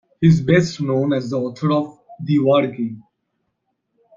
He is best known as the author of "The War Game".